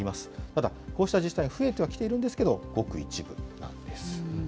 ただこうした自治体は増えてはきているんですけれども、ごく一部なんです。